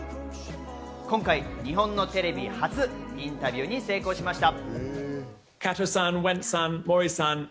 今回、日本のテレビ初インタビューに成功しました。